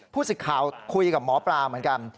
สิทธิ์ข่าวคุยกับหมอปลาเหมือนกัน